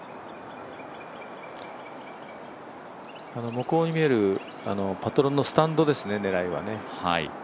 向こうに見えるパトロンのスタンドですね、狙いは。